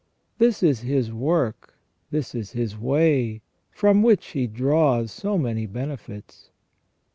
This is His work, this is His way, from which He draws so many benefits.